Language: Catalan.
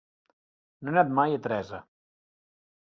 No he anat mai a Teresa.